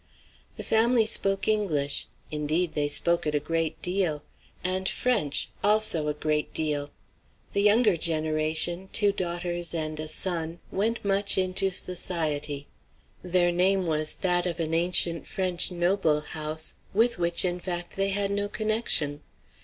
The family spoke English. Indeed, they spoke it a great deal; and French also a great deal. The younger generation, two daughters and a son, went much into society. Their name was that of an ancient French noble house, with which, in fact, they had no connection.